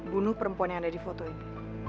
bunuh perempuan yang ada di foto ini